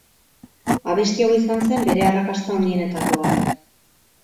Abesti hau izan zen bere arrakasta handienetako bat.